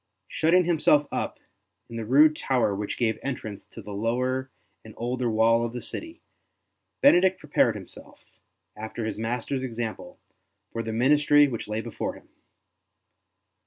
Shutting himself up in the rude tower which gave entrance to the lower and older wall of the city, Benedict prepared himself, after his Master's example, for the ministry which lay before him.